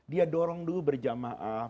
dia dorong dulu berjamaah